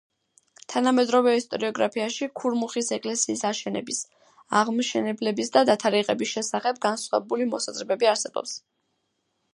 თანამედროვე ისტორიოგრაფიაში ქურმუხის ეკლესიის აშენების, აღმშენებლის და დათარიღების შესახებ განსხვავებული მოსაზრებები არსებობს.